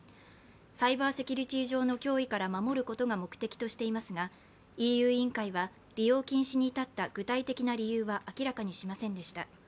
サイバーセキュリティー上の脅威から守ることが目的としていますが、ＥＵ委員会は利用禁止に至った具体的な理由は明らかにしませんでした。